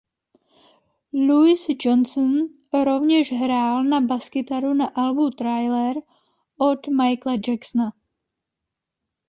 Louis Johnson rovněž hrál na baskytaru na albu "Thriller" od Michaela Jacksona.